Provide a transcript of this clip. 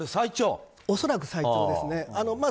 恐らく最長ですね。